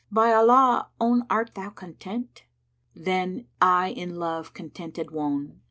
by Allah, own * Art thou content? then I in love contented wone!